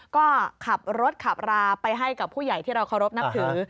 ก็ขับรถขับราไปให้กับผู้ใหญ่ที่เราเคารพนับถือ